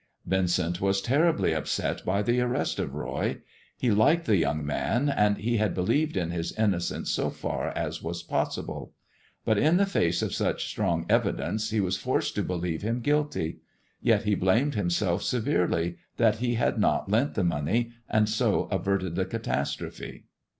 Vincent was terribly upset by the arrest of Roy. He liked the young man and he had believed in his innocence so THE GREEN STONE GOD AND THE STOCKBROKER 267 far ns was possible. But in tlio fnce of such Btrong evidence, 1)0 wus forced to believe him guilty : yet be blamed himself severely that he had not lent the money, and so averted the catastrophe.